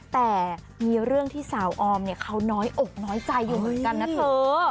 แต่มีเรื่องที่สาวออมเนี่ยเขาน้อยอกน้อยใจอยู่เหมือนกันนะเธอ